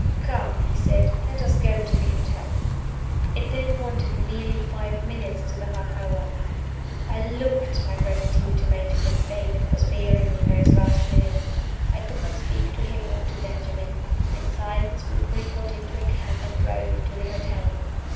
"Come!" he said. "Let us go to the hotel." It then wanted nearly five minutes to the half hour. I looked my gratitude to Major Fitz David for sparing me those last minutes: I could not speak to him or to Benjamin. In silence we three got into a cab and drove to the hotel.